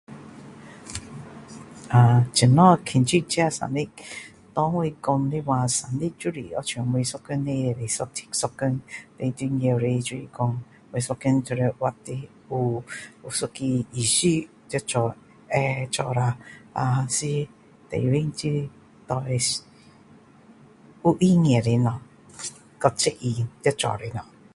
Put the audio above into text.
呃怎样庆祝自己的生日给我说的话生日就是就像每一天的最重要的就是说每一天就是活的有有一个意思做会做下是最重要就是有意义的东西和责任要做